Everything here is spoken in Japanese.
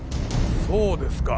そうですか。